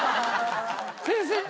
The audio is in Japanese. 先生？